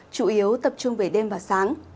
chủ yếu tập trung về đêm và sáng